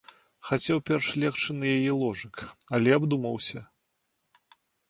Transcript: Хацеў перш легчы на яе ложак, але абдумаўся.